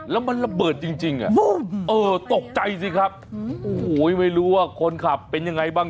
แล้วมันระเบิดจริงตกใจสิครับโอ้โหไม่รู้ว่าคนขับเป็นยังไงบ้าง